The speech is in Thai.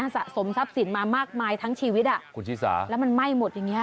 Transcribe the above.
สะสมทรัพย์สินมามากมายทั้งชีวิตอ่ะคุณชิสาแล้วมันไหม้หมดอย่างเงี้